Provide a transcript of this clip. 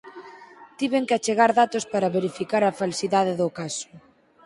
Tiven que achegar datos para verificar a falsidade do caso.